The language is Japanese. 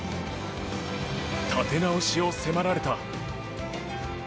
立て直しを迫られた。